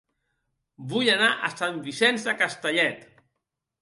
Vull anar a Sant Vicenç de Castellet